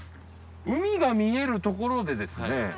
海が見える所でですね